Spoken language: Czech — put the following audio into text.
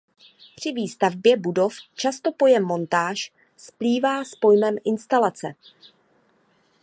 Při výstavbě budov často pojem montáž splývá s pojmem instalace.